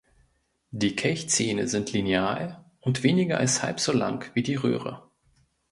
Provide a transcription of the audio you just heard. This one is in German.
Die Kelchzähne sind lineal und weniger als halb so lang wie die Röhre.